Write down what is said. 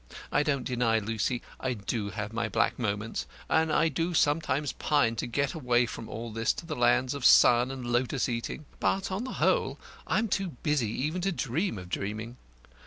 I don't deny, Lucy, I do have my black moments, and I do sometimes pine to get away from all this to the lands of sun and lotus eating. But, on the whole, I am too busy even to dream of dreaming.